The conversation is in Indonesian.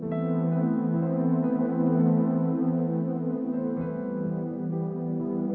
saat kamu melepaskan oarasinya